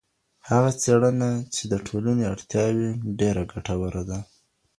هغه څېړنه چي د ټولني اړتیا وي ډېره ګټوره ده.